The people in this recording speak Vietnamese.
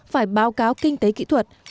phải báo cáo kinh tế kỹ thuật